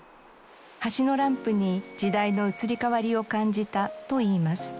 橋のランプに時代の移り変わりを感じたといいます。